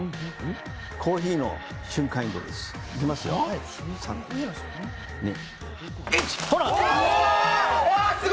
コーヒーの瞬間移動です。